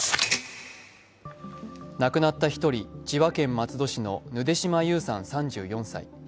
亡くなった１人、千葉県松戸市のぬで島優さん、３４歳。